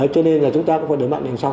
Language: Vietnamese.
cho nên là chúng ta cũng phải để mạnh làm sao